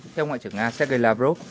theo ngoại trưởng nga sergei lavrov